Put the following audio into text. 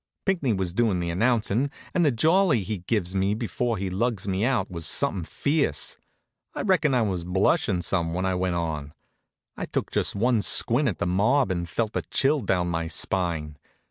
Pinckney was doin' the announcin' and the jolly he gives me before he lugs me out was somethin' fierce. I reckon I was blushin' some when I went on. I took just one squint at the mob and felt a chill down my spine.